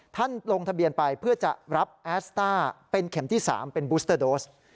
ลงทะเบียนไปเพื่อจะรับแอสต้าเป็นเข็มที่๓เป็นบูสเตอร์โดส